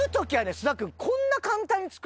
菅田君。